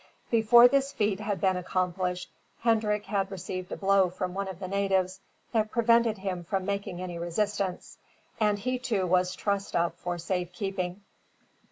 Before this feat had been accomplished Hendrik had received a blow from one of the natives that prevented him from making any resistance; and he too was trussed up for safe keeping.